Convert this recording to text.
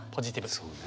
そうね。